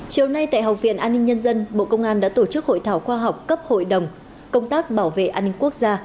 chiều nay tại học viện an ninh nhân dân bộ công an đã tổ chức hội thảo khoa học cấp hội đồng công tác bảo vệ an ninh quốc gia